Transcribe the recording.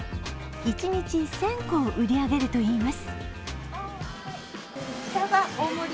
一日１０００個を売り上げるといいます。